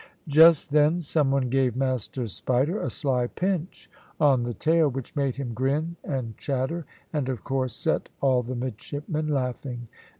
Just then some one gave Master Spider a sly pinch on the tail, which made him grin and chatter, and of course set all the midshipmen laughing.